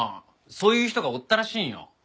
そういう人がおったらしいんよ。